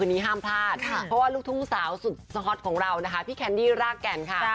วันนี้ห้ามพลาดเพราะว่าลูกทุ่งสาวสุดฮอตของเรานะคะพี่แคนดี้รากแก่นค่ะ